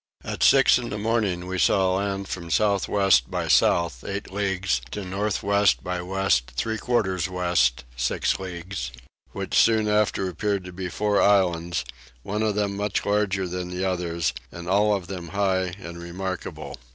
At six in the morning we saw land from south west by south eight leagues to north west by west three quarters west six leagues, which soon after appeared to be four islands, one of them much larger than the others, and all of them high and remarkable.